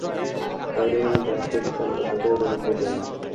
আমি যাকে ইচ্ছা মর্যাদায় উন্নীত করি।